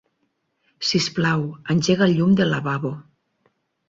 Sisplau, engega el llum del lavabo.